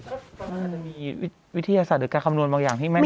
ก็น่าจะมีวิทยาศาสตร์หรือการคำนวณบางอย่างที่แม่น